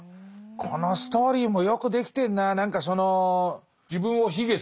このストーリーもよくできてんな。